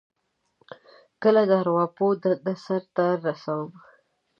کله د ارواپوه دنده سرته رسوم.